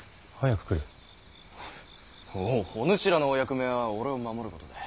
おお主らのお役目は俺を守ることだ。